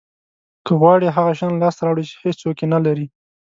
که غواړی هغه شیان لاسته راوړی چې هیڅوک یې نه لري